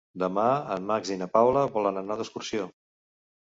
Demà en Max i na Paula volen anar d'excursió.